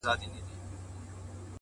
د حقیقت لاره تل روښانه وي،